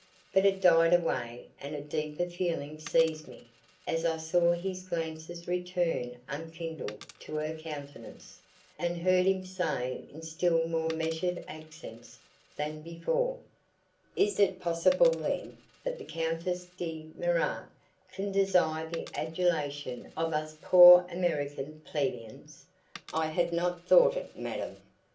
But it died away and a deeper feeling seized me as I saw his glances return unkindled to her countenance, and heard him say in still more measured accents than before: "Is it possible then that the Countess De Mirac can desire the adulation of us poor American plebeians? I had not thought it, madame."